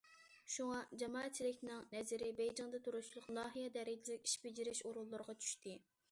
شۇڭا جامائەتچىلىكنىڭ نەزىرى بېيجىڭدا تۇرۇشلۇق ناھىيە دەرىجىلىك ئىش بېجىرىش ئورۇنلىرىغا چۈشتى.